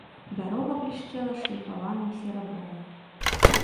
Дарога блішчэла шліфаваным серабром.